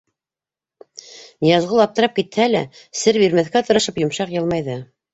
Ныязғол аптырап китһә лә, сер бирмәҫкә тырышып, йомшаҡ йылмайҙы.